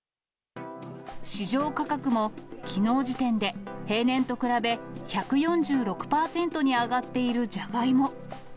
市場価格もきのう時点で平年と比べ１４６％に上がっているジャガイモ。